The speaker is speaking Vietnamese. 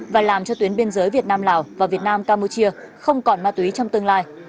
và làm cho tuyến biên giới việt nam lào và việt nam campuchia không còn ma túy trong tương lai